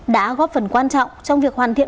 đã góp phần quan trọng trong việc hoàn thiện